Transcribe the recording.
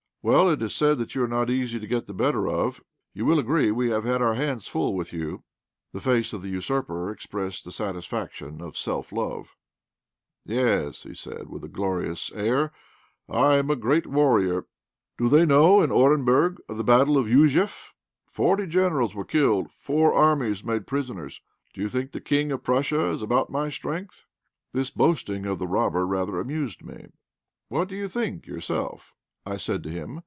"Well, it is said that you are not easy to get the better of. You will agree we have had our hands full with you." The face of the usurper expressed the satisfaction of self love. "Yes," said he, with a glorious air, "I am a great warrior. Do they know in Orenburg of the battle of Jouzeïff? Forty Generals were killed, four armies made prisoners. Do you think the King of Prussia is about my strength?" This boasting of the robber rather amused me. "What do you think yourself?" I said to him.